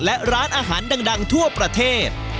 และร้านอาหารดังทั่วประเทศ